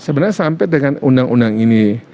sebenarnya sampai dengan undang undang ini